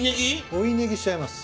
追いネギしちゃいます。